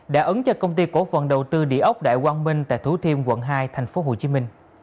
đã ứng cho công ty cổ phần đầu tư địa ốc đại quang minh tại thủ thiêm quận hai tp hcm